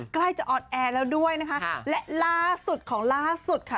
ใกล้จะออนแอร์แล้วด้วยนะคะและล่าสุดของล่าสุดค่ะ